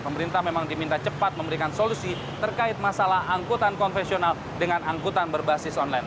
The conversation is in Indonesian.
pemerintah memang diminta cepat memberikan solusi terkait masalah angkutan konvensional dengan angkutan berbasis online